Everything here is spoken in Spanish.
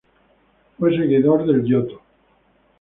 Fue seguidor de Giotto.